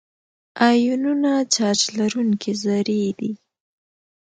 آیونونه چارج لرونکي ذرې دي.